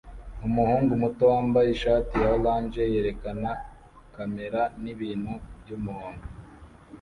Umuhungu muto wambaye ishati ya orange yerekana kamera nibintu byumuhondo